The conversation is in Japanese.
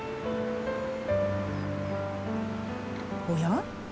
おや？